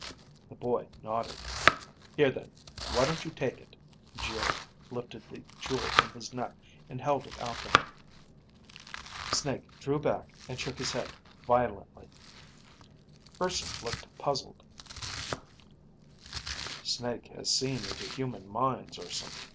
The boy nodded. "Here, then, why don't you take it?" Geo lifted the jewel from his neck and held it out to him. Snake drew back and shook his head violently. Urson looked puzzled. "Snake has seen into human minds, Urson.